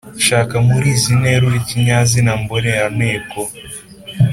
shaka muri izi nteruro ikinyazina mboneranteko,